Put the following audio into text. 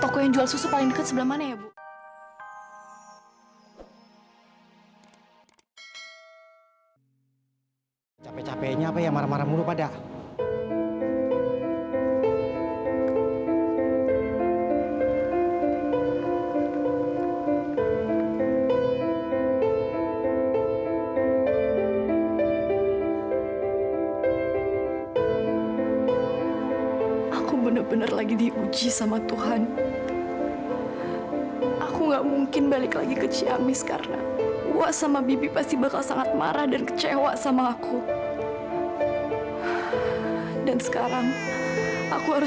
kamu pasti nanti bakal hidup bahagia sama kakek dan emek emekmu